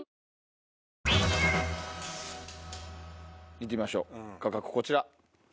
行きましょう価格こちら。